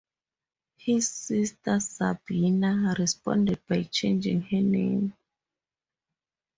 His sister, Sabina responded by changing her name.